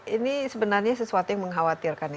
ini sebenarnya sesuatu yang mengkhawatirkan